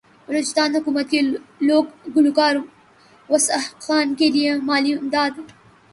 بلوچستان حکومت کی لوک گلوکار واسو خان کیلئے مالی امداد